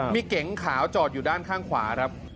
มีเก๋งขาวจอดอยู่ด้านข้างขวาครับ